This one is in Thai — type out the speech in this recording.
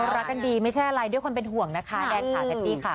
เขารักกันดีไม่ใช่อะไรด้วยคนเป็นห่วงนะคะแดนค่ะแพทตี้ค่ะ